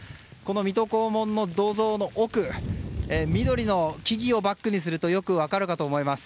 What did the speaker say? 水戸黄門の銅像の奥緑の木々をバックにするとよく分かるかと思います。